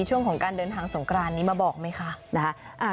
ช่วงของการเดินทางสงกรานนี้มาบอกไหมคะนะคะ